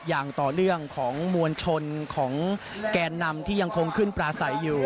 อย่างต่อเนื่องของมวลชนของแกนนำที่ยังคงขึ้นปลาใสอยู่